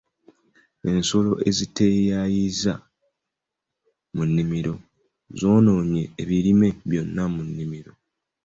Ensolo ezitaayaayiza mu nnimiro zoonoonye ebirime byonna mu nnimiro.